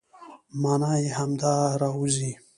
مانا يې همدا راوځي،